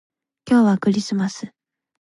今日はクリスマス